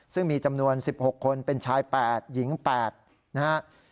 ซึ่งมีจำนวน๑๖คนเป็นชาย๘หญิง๘นะครับ